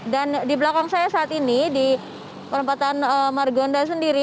dan di belakang saya saat ini di perempatan margonda sendiri